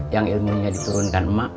yang ilmunya diturunkan emak